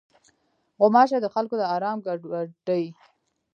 غوماشې د خلکو د آرام ګډوډوي.